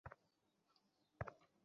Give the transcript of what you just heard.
বলতে খারাপ লাগছে, ওগুলো সব অর্থহীন।